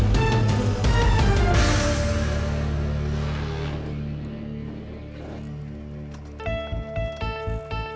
ratakan energies lu